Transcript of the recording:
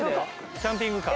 キャンピングカー。